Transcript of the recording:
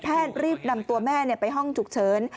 รีบนำตัวแม่ไปห้องฉุกเฉิน